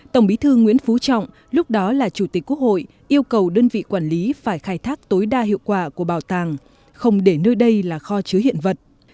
tổng bí thư nguyễn phú trọng lúc đó là chủ tịch quốc hội yêu cầu đơn vị quản lý phải khai thác tối đa hiệu quả của bảo tàng không để nơi đây là kho chứa hiện vật